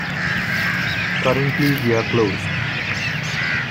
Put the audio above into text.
Currently we are closed.